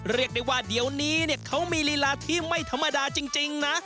เรียกได้ว่าเดี๋ยวนี้เนี่ยเขามีลีลาที่ไม่ธรรมดาจริงนะ